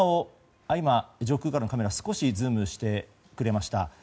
上空からのカメラ少しズームしてくれました。